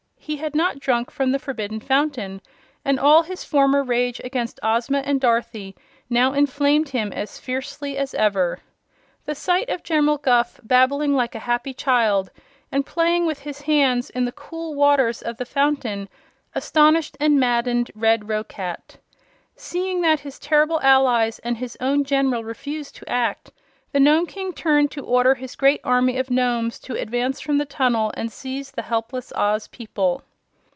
He had not drunk from the Forbidden Fountain and all his former rage against Ozma and Dorothy now inflamed him as fiercely as ever. The sight of General Guph babbling like a happy child and playing with his hands in the cool waters of the fountain astonished and maddened Red Roquat. Seeing that his terrible allies and his own General refused to act, the Nome King turned to order his great army of Nomes to advance from the tunnel and seize the helpless Oz people.